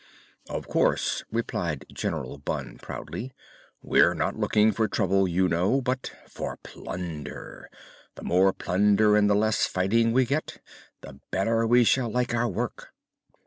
"Of course," replied General Bunn, proudly. "We're not looking for trouble, you know, but for plunder. The more plunder and the less fighting we get, the better we shall like our work."